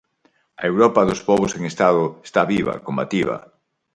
A Europa dos pobos sen Estado está viva, combativa.